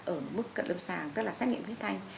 ở mức cận lâm sàng tức là xét nghiệm huyết thanh